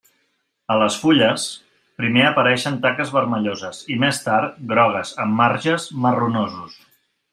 A les fulles, primer apareixen taques vermelloses i més tard grogues amb marges marronosos.